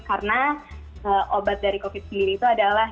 karena obat dari covid sendiri itu adalah